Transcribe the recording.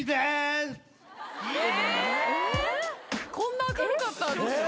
こんな明るかったですか？